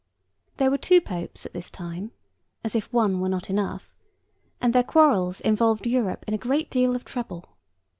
There were two Popes at this time (as if one were not enough!), and their quarrels involved Europe in a great deal of trouble.